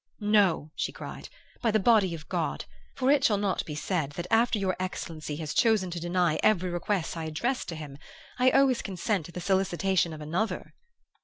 "'No,' she cried, 'by the body of God! For it shall not be said that, after your excellency has chosen to deny every request I addressed to him, I owe his consent to the solicitation of another!